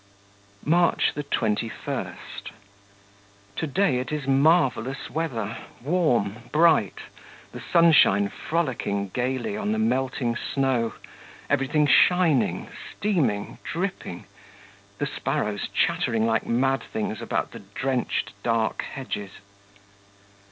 March 21. To day it is marvellous weather. Warm, bright; the sunshine frolicking gaily on the melting snow; everything shining, steaming, dripping; the sparrows chattering like mad things about the drenched, dark hedges.